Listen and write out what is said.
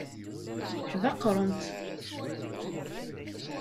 Ḥdaqrent.